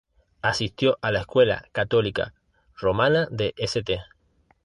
Asistió a la Escuela Católica Romana de St.